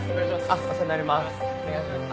あっお世話になります。